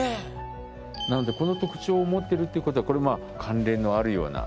なのでこの特徴を持ってるっていうことは関連のあるような。